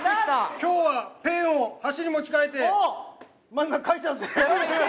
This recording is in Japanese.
今日はペンを箸に持ち替えて漫画描いちゃうぜ！